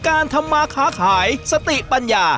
การธรรมาขาขายสติปัญญา